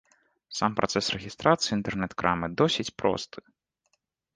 Сам працэс рэгістрацыі інтэрнэт-крамы досыць просты.